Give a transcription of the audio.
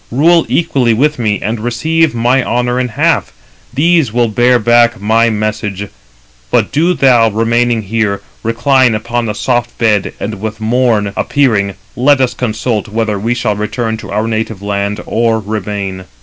Rule equally with me, and receive my honour in half. 329 These will bear back my message; but do thou, remaining here, recline upon a soft bed, and with morn appearing let us consult whether we shall return to our native land or remain."